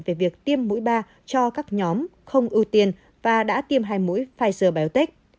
về việc tiêm mũi ba cho các nhóm không ưu tiên và đã tiêm hai mũi pfizer biotech